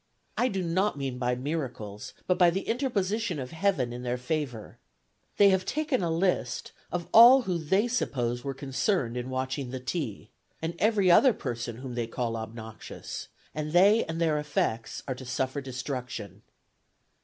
I do not mean by miracles, but by the interposition of Heaven in their favor. They have taken a list of all those who they suppose were concerned in watching the tea, and every other person whom they call obnoxious, and they and their effects are to suffer destruction.